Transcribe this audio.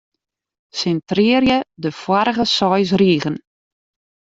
Sintrearje de foarige seis rigen.